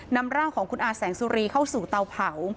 นำร่างของคุณอาแสงสุรีเข้าสู่เตาเผา